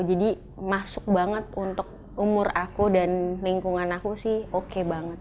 jadi masuk banget untuk umur aku dan lingkungan aku sih oke banget